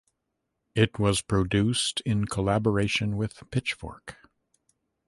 It was produced in collaboration with Pitchfork.